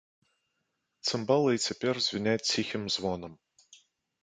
Цымбалы і цяпер звіняць ціхім звонам.